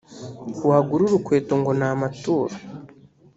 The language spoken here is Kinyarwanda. wagura urukweto ngo ni amaturo